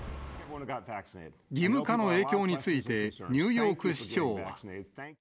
義務化の影響について、ニューヨーク市長は。